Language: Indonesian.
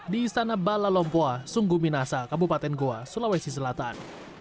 di istana balalompua sungguh minasa kabupaten goa sulawesi selatan